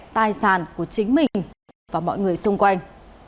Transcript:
tài sản của chính mình và mọi người xung quanh